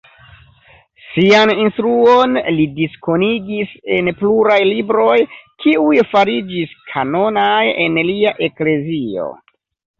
Sian instruon li diskonigis en pluraj libroj, kiuj fariĝis kanonaj en lia eklezio.